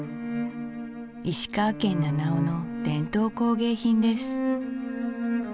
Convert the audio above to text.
石川県七尾の伝統工芸品です